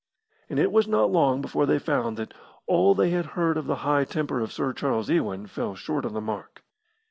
And it was not long before they found that all they had heard of the high temper of Sir Charles Ewan fell short of the mark.